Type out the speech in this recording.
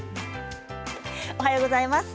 おはようございます。